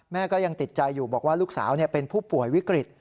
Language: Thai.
แม่ก็ยังติดใจอยู่บอกว่าลูกสาวเป็นผู้ป่วยวิกฤต